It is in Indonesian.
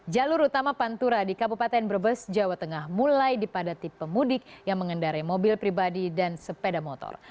jalur utama pantura di kabupaten brebes jawa tengah mulai dipadati pemudik yang mengendarai mobil pribadi dan sepeda motor